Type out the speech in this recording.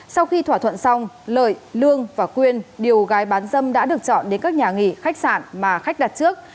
sau khi thỏa thuận xong lợi lương và quyên điều gái bán dâm đã được chọn đến các nhà nghỉ khách sạn mà khách đặt trước